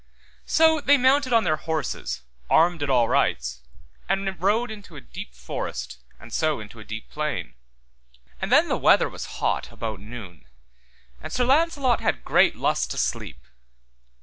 So they mounted on their horses, armed at all rights, and rode into a deep forest and so into a deep plain. And then the weather was hot about noon, and Sir Launcelot had great lust to sleep.